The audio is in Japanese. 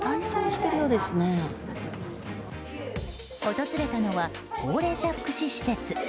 訪れたのは高齢者福祉施設。